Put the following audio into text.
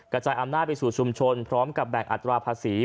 กระจายอำนาจไปสู่ชุมชนพร้อมกับแบ่งอัตราภาษี